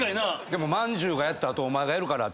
でもまんじゅうがやった後お前がやるから。